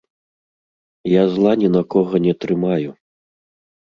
Я зла ні на каго не трымаю.